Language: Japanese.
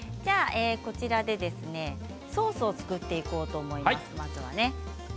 こちらでソースを作っていこうと思います。